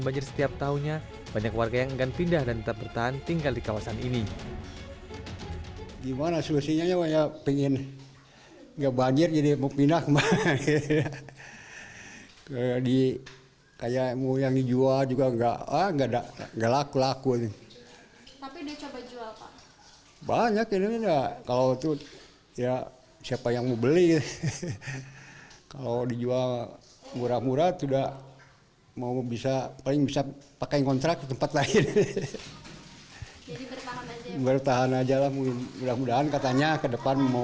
bertahan aja lah mudah mudahan katanya ke depan mau sekarang tuh mau lagi diperbaiki citarumnya